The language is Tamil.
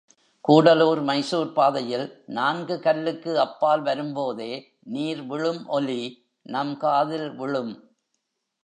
கூடலூர் மைசூர் பாதையில் நான்கு கல்லுக்கு அப்பால் வரும்போதே நீர் விழும் ஒலி நம் காதில் விழும்.